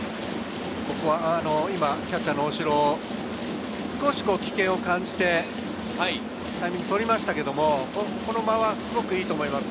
キャッチャーの大城、少し危険を感じてタイミングを取りましたけれど、この間はすごくいいと思います。